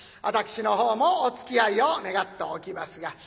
私の方もおつきあいを願っておきますが。